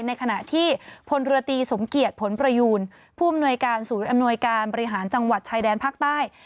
ในขณะที่พลเรือตีสมเกียจผลประยูนผู้อำนวยการศูนย์อำนวยการบริหารจังหวัดชายแดนภาคใต้